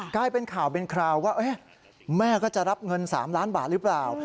กลายเป็นข่าวเป็นคราวว่าแม่ก็จะรับเงิน๓ล้านบาทหรือเปล่า